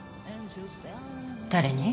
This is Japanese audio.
誰に？